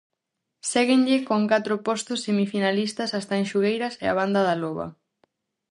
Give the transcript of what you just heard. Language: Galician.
Séguenlle con catro postos semifinalistas as Tanxugueiras e a Banda da Loba.